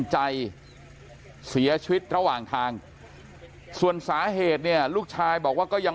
ใจเสียชีวิตระหว่างทางส่วนสาเหตุเนี่ยลูกชายบอกว่าก็ยัง